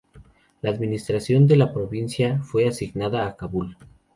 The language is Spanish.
La administración de la provincia fue asignada a Kabul.